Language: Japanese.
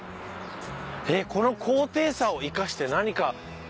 この高低差を生かして何か。